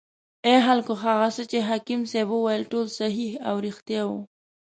ای خلکو هغه څه چې حاکم صیب وویل ټول صحیح او ریښتیا و.